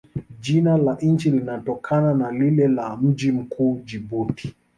Jina la nchi linatokana na lile la mji mkuu, Jibuti.